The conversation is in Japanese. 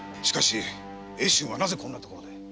しかし英春はなぜこんな所で？